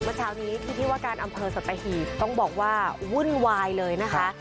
เมื่อเช้านี้ที่ที่ว่าการอำเภอสัตหีบต้องบอกว่าวุ่นวายเลยนะคะ